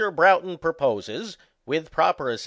Broughton proposes, with proper as VOL.